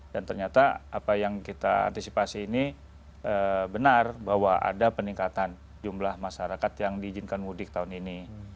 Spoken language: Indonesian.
dan ternyata apa yang kita antisipasi ini benar bahwa ada peningkatan jumlah masyarakat yang diizinkan mudik tahun ini